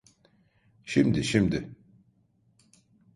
Şimdi, şimdi!